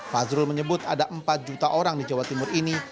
fazrul menyebut ada empat juta orang di jawa timur ini